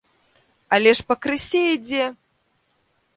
Але ж пакрысе ідзе!